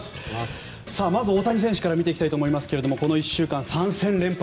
まず大谷選手から見ていきたいと思いますがこの１週間で３戦連発。